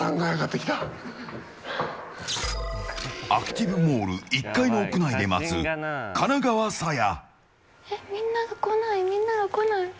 アクティブモール１階の屋内で待つ金川紗耶。